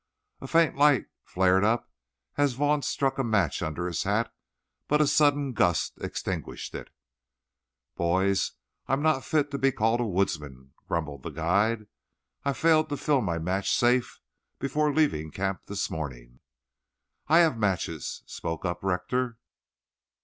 A faint light flared up as Vaughn struck a match under his hat, but a sudden gust extinguished it. "Boys, I am not fit to be called a woodsman," grumbled the guide. "I failed to fill my match safe before leaving camp this morning." "I have matches," spoke up Rector.